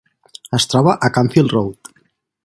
Es troba a Canfield Rd.